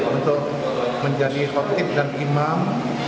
untuk menjadi khotib dan imam